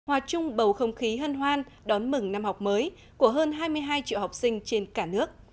hòa chung bầu không khí hân hoan đón mừng năm học mới của hơn hai mươi hai triệu học sinh trên cả nước